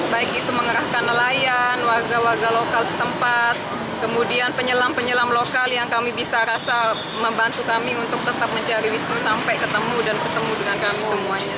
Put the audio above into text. baik itu mengerahkan nelayan warga warga lokal setempat kemudian penyelam penyelam lokal yang kami bisa rasa membantu kami untuk tetap mencari wisnu sampai ketemu dan ketemu dengan kami semuanya